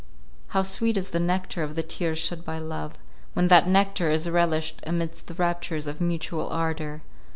How sweet is the nectar of the tears shed by love, when that nectar is relished amidst the raptures of mutual ardour!